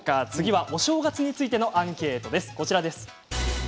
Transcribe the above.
お正月についてのアンケートです。